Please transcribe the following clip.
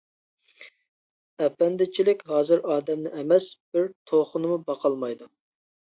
ئەپەندىچىلىك ھازىر ئادەمنى ئەمەس، بىر توخۇنىمۇ باقالمايدۇ.